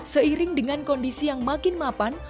seiring dengan kondisi yang makin mapan